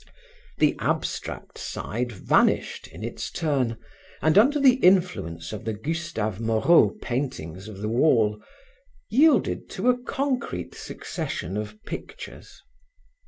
The abstract side vanished, in its turn, and under the influence of the Gustave Moreau paintings of the wall, yielded to a concrete succession of pictures.